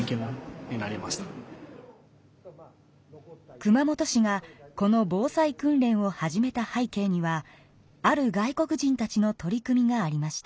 熊本市がこの防災訓練を始めたはい景にはある外国人たちの取り組みがありました。